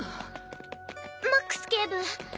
マックス警部。